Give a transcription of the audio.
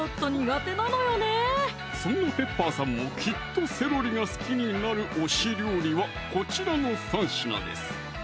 そんなペッパーさんもきっとセロリが好きになる推し料理はこちらの３品です